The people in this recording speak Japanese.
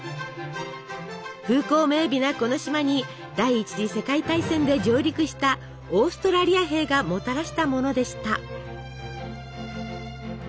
風光明美なこの島に第１次世界大戦で上陸したオーストラリア兵がもたらしたものでした。